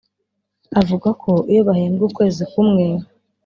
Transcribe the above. avuga ko iyo bahembwe ukwezi kumwe